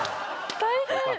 大変。